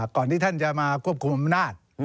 ก่อนที่ท่านจะมาควบคุมอำนาจ